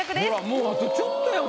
もうあとちょっとやん